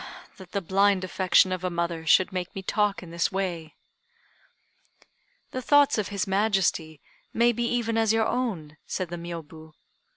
that the blind affection of a mother should make me talk in this way!" "The thoughts of his Majesty may be even as your own," said the Miôbu.